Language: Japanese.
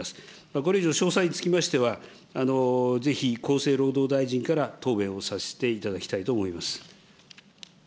これ以上、詳細につきましては、ぜひ厚生労働大臣から答弁をさせていただきたいと思います。